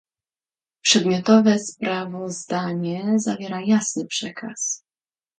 Przedmiotowe sprawozdanie zawiera jasny przekaz